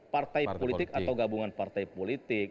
partai politik atau gabungan partai politik